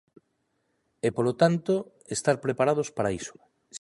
E, polo tanto, estar preparados para iso.